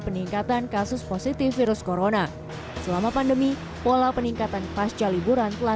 peningkatan kasus positif virus corona selama pandemi pola peningkatan pasca liburan telah